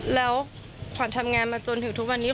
แล้วขวัญทำงานมาจนถึงทุกวันนี้